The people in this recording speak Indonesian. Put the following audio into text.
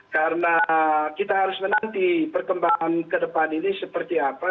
karena kita harus menanti perkembangan ke depan ini seperti apa